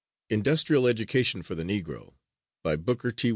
_] Industrial Education for the Negro By BOOKER T.